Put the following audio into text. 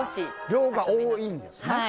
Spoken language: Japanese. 量が多いんですね。